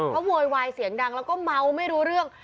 เขาโวยวายเสียงดังแล้วก็เมาไม่รู้เรื่อง